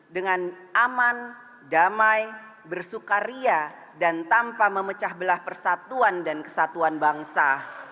dengan aman damai bersukaria dan tanpa memecah belah persatuan dan kesatuan bangsa